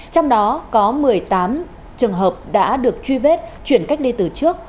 trong đó có một mươi tám trường hợp đã được truy vết chuyển cách ly từ trước